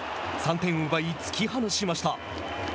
３点を奪い、突き放しました。